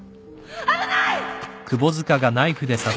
危ない！